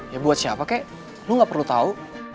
ya buat siapa ke lo gak perlu tahu